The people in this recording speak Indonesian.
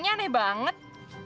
g nya aneh banget